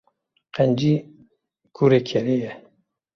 Qencî kurê kerê ye.